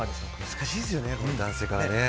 難しいですよね、男性は。